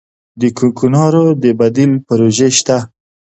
د کوکنارو د بدیل پروژې شته؟